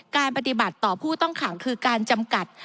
การปฏิบัติต่อผู้ต้องขังคือการจำกัด